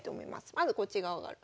まずこっち側上がる。